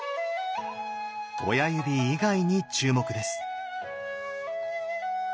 親指以外に注目です。